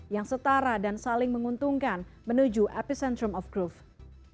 yang setara dan saling menguntungkan menuju epicentrum of growth